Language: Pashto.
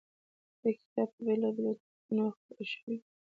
دې کتابونه په بېلا بېلو ټوکونوکې خپور شوی و.